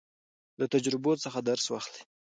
له تجربو څخه درس واخلئ.